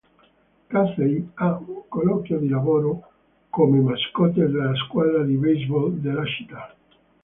Casey ha un colloquio di lavoro come mascotte della squadra di baseball della città.